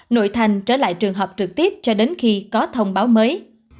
nội thành trở lại trường học trực tiếp cho đến khi có thông báo mới